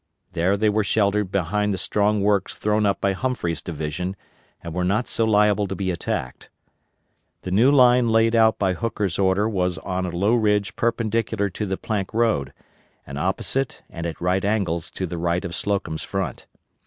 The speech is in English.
There they were sheltered behind the strong works thrown up by Humphrey's division, and were not so liable to be attacked. The new line laid out by Hooker's order was on a low ridge perpendicular to the Plank Road, and opposite and at right angles to the right of Slocum's front.